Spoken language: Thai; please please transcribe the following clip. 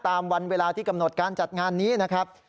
ตามวันเวลาที่กำหนดการจัดงานนี้นะครับ